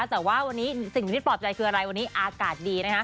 แต่ว่าวันนี้สิ่งที่ปลอบใจคืออะไรวันนี้อากาศดีนะคะ